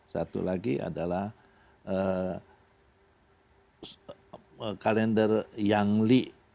satu lagi adalah kalender yangli